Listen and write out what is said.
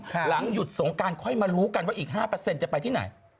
หลังหยุดสงการค่อยมารู้กันว่าอีก๕จะไปที่ไหน